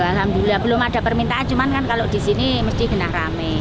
alhamdulillah belum ada permintaan cuma kalau di sini mesti benar benar ramai